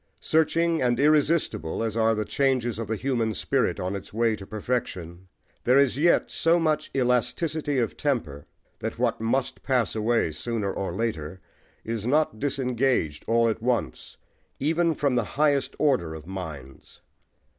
Searching and irresistible as are the changes of the human spirit on its way to perfection, there is yet so much elasticity of temper that what must pass away sooner or later is not disengaged all at once, even from the highest order of minds.